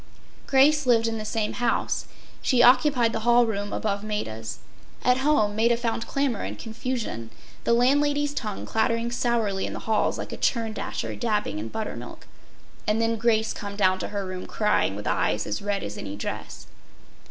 Grace lived in the same house. She occupied the hall room above Maida’s. At home Maida found clamor and confusion. The landlady’s tongue clattering sourly in the halls like a churn dasher dabbing in buttermilk. And then Grace come down to her room crying with eyes as red as any dress.